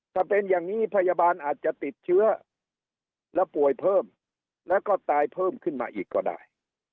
ถ้าเป็นอย่างนี้พยาบาลอาจจะติดเชื้อแล้วป่วยเพิ่มแล้วก็ตายเพิ่มขึ้นมาอีกก็ได้